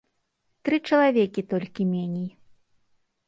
Тры чалавекі толькі меней.